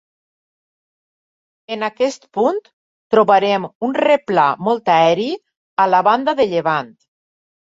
En aquest punt, trobarem un replà molt aeri a la banda de llevant.